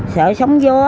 sợ sóng gió